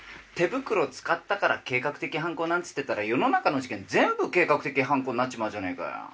手袋使ったから計画的犯行なんつってたら世の中の事件全部計画的犯行になっちまうじゃねえかよ